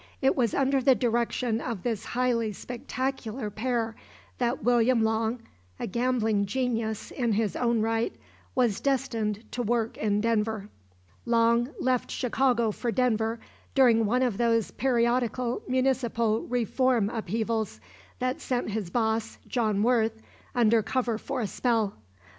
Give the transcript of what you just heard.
It was under the direction of this highly spectacular pair that William Long, a gambling genius in his own right, was destined to work in Denver. Long left Chicago for Denver during one of those periodical municipal reform upheavals that sent his boss, John Worth, under cover for a spell.